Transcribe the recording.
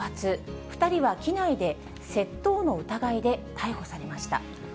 ２人は機内で、窃盗の疑いで逮捕されました。